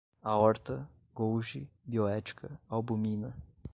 aorta, golgi, bioética, albumina